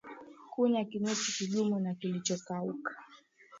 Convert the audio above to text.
Kunya kinyesi kigumu na kilichokauka